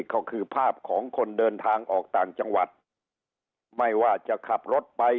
ก็คือภาพของคนเดินทางออกต่างจังหวัดไม่ว่าจะขับรถไป